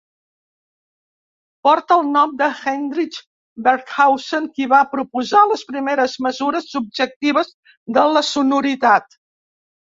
Porta el nom de Heinrich Barkhausen qui va proposar les primeres mesures subjectives de la sonoritat.